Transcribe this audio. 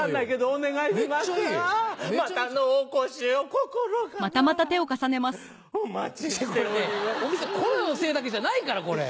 お店コロナのせいだけじゃないからこれ。